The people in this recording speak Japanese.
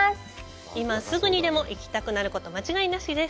今すぐにでも行きたくなること間違いなしです。